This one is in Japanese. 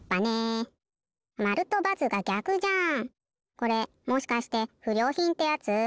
これもしかしてふりょうひんってやつ？